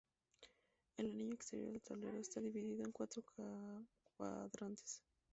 El anillo exterior del tablero está dividido en cuatro cuadrantes.